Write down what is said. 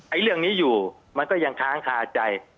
เรื่องนี้อยู่มันก็ยังค้างคาใจ